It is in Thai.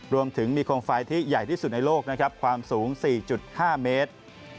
รวมถึงมีโคมไฟที่ใหญ่ที่สุดในโลกนะครับความสูง๔๕เมตร